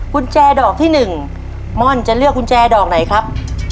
กุญแจดอกที่๑ม่อนจะเลือกกุญแจดอกไหนครับ